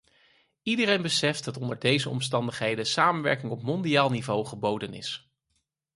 Iedereen beseft dat onder deze omstandigheden samenwerking op mondiaal niveau geboden is.